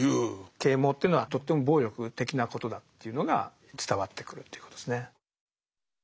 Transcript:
啓蒙というのはとっても暴力的なことだっていうのが伝わってくるということですね。